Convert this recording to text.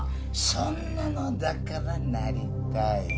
そんなのだからなりたいの。